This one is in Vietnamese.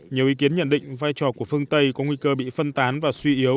nhiều ý kiến nhận định vai trò của phương tây có nguy cơ bị phân tán và suy yếu